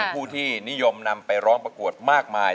ผู้ที่นิยมนำไปร้องประกวดมากมาย